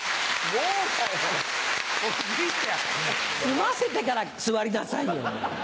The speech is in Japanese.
済ませてから座りなさいよ。